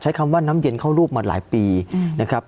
ใช้คำว่าน้ำเย็นเข้ารูปมาหลายปีนะครับ